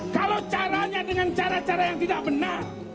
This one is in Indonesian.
kalau caranya dengan cara cara yang tidak benar